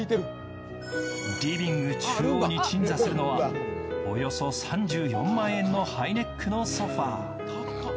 リビング中央に鎮座するのはおよそ３４万円のハイネックのソファー。